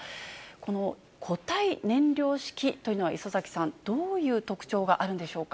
この固体燃料式というのは、礒崎さん、どういう特徴があるんでしょうか。